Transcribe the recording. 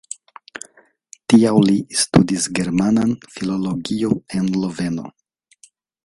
Tial li studis Germanan filologion en Loveno.